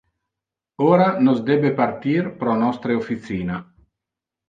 Ora nos debe partir pro nostre officina.